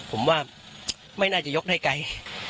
ผมว่าไม่น่าจะยกได้ไกล